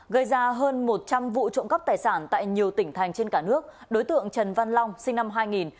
gây ra hơn một trăm linh vụ trộm cắp tài sản tại nhiều tỉnh thành trên cả nước đối tượng trần văn long sinh năm hai nghìn